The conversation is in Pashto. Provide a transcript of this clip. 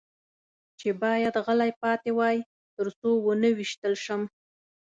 چې باید غلی پاتې وای، تر څو و نه وېشتل شم.